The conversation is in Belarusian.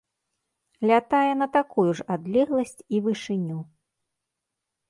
Лятае на такую ж адлегласць і вышыню.